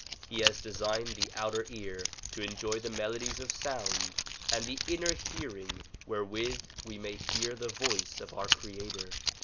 He has designed the outer ear to enjoy the melodies of sound and the inner hearing wherewith we may hear the voice of our creator.